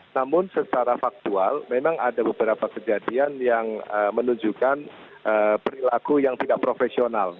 namun secara faktual memang ada beberapa kejadian yang menunjukkan perilaku yang tidak profesional